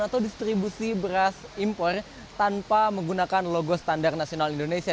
atau distribusi beras impor tanpa menggunakan logo standar nasional indonesia